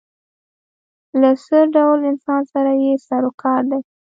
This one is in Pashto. له څه ډول انسان سره یې سر و کار دی.